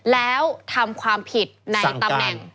แล้วทำความผิดในตำแหน่ง